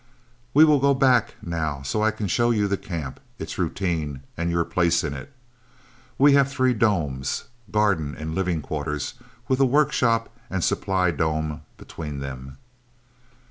"We will go back, now, so I can show you the camp, its routine, and your place in it. We have three domes garden and living quarters, with a workshop and supply dome between them..."